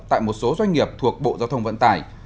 tại một số doanh nghiệp thuộc bộ giao thông vận tải